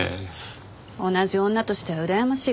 同じ女としてはうらやましい限りですよ。